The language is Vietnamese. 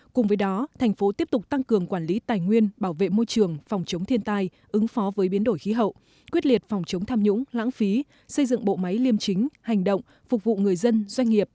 cùng với đó thành phố tiếp tục tăng cường quản lý tài nguyên bảo vệ môi trường phòng chống thiên tai ứng phó với biến đổi khí hậu quyết liệt phòng chống tham nhũng lãng phí xây dựng bộ máy liêm chính hành động phục vụ người dân doanh nghiệp